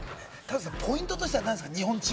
ポイントとしてはどうですか？